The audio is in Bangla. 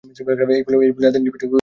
এই ফুলের আদি নিবাস দক্ষিণ আমেরিকা।